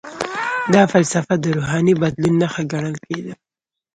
دا فلسفه د روحاني بدلون نښه ګڼل کیده.